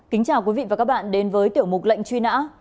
kính chào quý vị và các bạn đến với tiểu mục lệnh truy nã